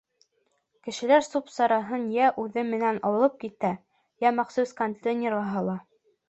Кешеләр сүп-сарын йә үҙе менән алып китә, йә махсус контейнерға һала.